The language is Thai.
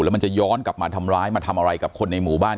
แล้วมันจะย้อนกลับมาทำร้ายมาทำอะไรกับคนในหมู่บ้าน